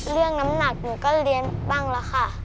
น้ำหนักหนูก็เรียนบ้างแล้วค่ะ